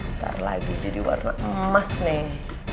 ntar lagi jadi warna emas nih